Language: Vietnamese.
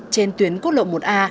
trên tuyến quốc lộ một a